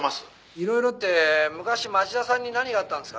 「いろいろって昔町田さんに何があったんですかね？」